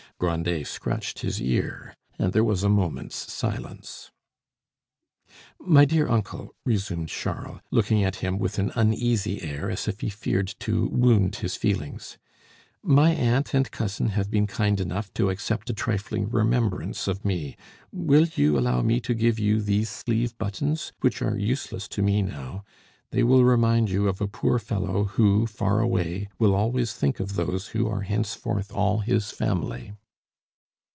Grandet scratched his ear, and there was a moment's silence. "My dear uncle," resumed Charles, looking at him with an uneasy air, as if he feared to wound his feelings, "my aunt and cousin have been kind enough to accept a trifling remembrance of me. Will you allow me to give you these sleeve buttons, which are useless to me now? They will remind you of a poor fellow who, far away, will always think of those who are henceforth all his family."